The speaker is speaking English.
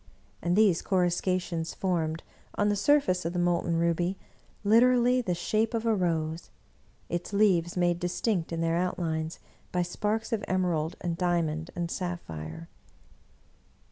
And these coruscations formed, on the surface of the molten ruby, literally the shape of a rose, its leaves made distinct in their outlines by sparks of emerald and diamond and sapphire.